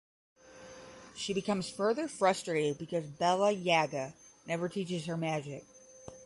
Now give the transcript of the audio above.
She becomes further frustrated because Bella Yaga never teaches her magic.